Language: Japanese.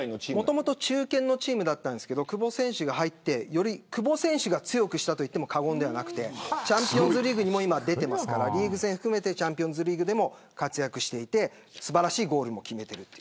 もともと中堅でしたけど久保選手が入って久保選手が強くしたといっても過言ではなくてチャンピオンズリーグにも今、出てますからリーグ戦含めてチャンピオンズリーグでも活躍していて素晴らしいゴールも決めている。